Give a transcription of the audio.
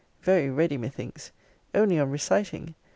Very ready methinks! Only on reciting!